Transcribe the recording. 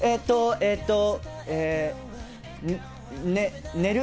えと、寝る。